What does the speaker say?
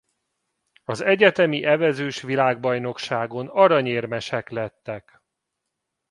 Az egyetemi evezős-világbajnokságon aranyérmesek lettek.